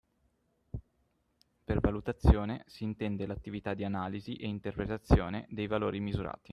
Per valutazione si intende l'attività di analisi e interpretazione dei valori misurati